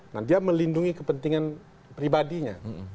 nah dia melindungi kepentingan pribadinya